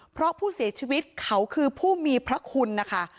เพราะผู้เสียชีวิตเขาคือผู้มีพระคุณนะคะ